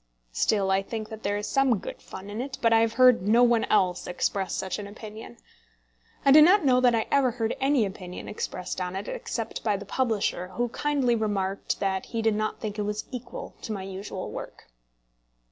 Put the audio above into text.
Still I think that there is some good fun in it, but I have heard no one else express such an opinion. I do not know that I ever heard any opinion expressed on it, except by the publisher, who kindly remarked that he did not think it was equal to my usual work.